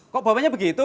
kok bawa nya begitu